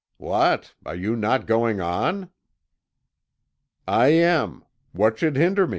What! you are not going on?" "I am. What should hinder me?"